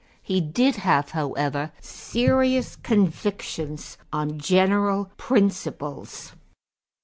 He did have, however, serious convictions on general principles.